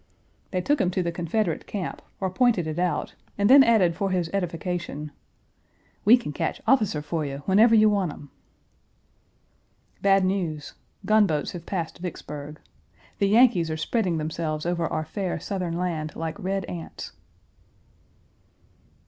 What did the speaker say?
They took him to the Confederate camp, or pointed it out, and then added for his edification, "We kin ketch officer fuh you whenever you want 'em." Bad news. Gunboats have passed Vicksburg. The Yankees are spreading themselves over our fair Southern land like red ants.